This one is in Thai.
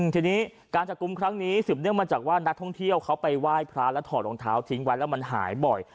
ทีนี้การจับกลุ่มครั้งนี้สืบเนื่องมาจากว่านักท่องเที่ยวเขาไปไหว้พระแล้วถอดรองเท้าทิ้งไว้แล้วมันหายบ่อย